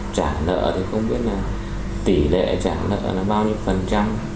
trả lợi thì không biết là tỷ lệ trả lợi nó bao nhiêu phần trăm